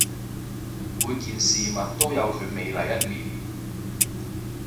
每件事物都有佢美麗一面